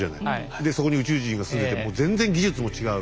でそこに宇宙人が住んでてもう全然技術も違う。